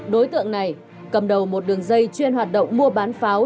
đối tượng này cầm đầu một đường dây chuyên hoạt động mua bán pháo